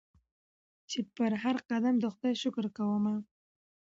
چي پر هرقدم د خدای شکر کومه